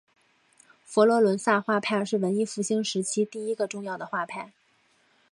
佛罗伦萨画派是文艺复兴时期第一个重要的画派。